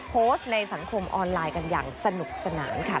โพสต์ในสังคมออนไลน์กันอย่างสนุกสนานค่ะ